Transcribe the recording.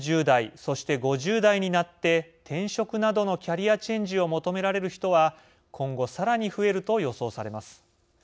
４０代、そして５０代になって転職などのキャリアチェンジを求められる人は今後さらに増えると予想されます。